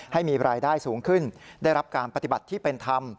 ให้มีรายได้สูงขึ้นได้รับการปฏิบัติที่เป็นธรรม